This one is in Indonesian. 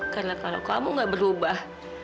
karena kalau kamu nggak berubah